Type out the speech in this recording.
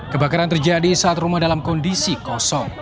kebakaran terjadi saat rumah dalam kondisi kosong